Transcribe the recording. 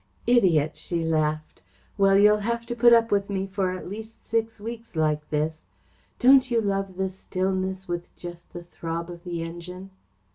"Idiot!" she laughed. "Well, you'll have to put up with me for at least six weeks like this. Don't you love the stillness with just the throb of the engine?"